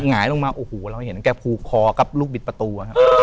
หายออกมาแล้วเห็นแกผูกคอกับลูกบิดประตู